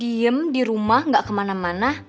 diem di rumah gak kemana mana